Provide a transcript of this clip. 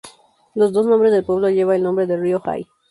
Los dos nombres del pueblo lleva el nombre del río Hay.